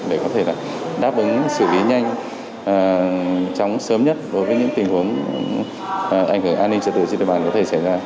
để có thể đáp ứng xử lý nhanh chóng sớm nhất đối với những tình huống ảnh hưởng an ninh trật tự trên địa bàn có thể xảy ra